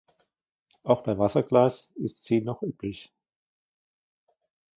Auch bei Wasserglas ist sie noch üblich.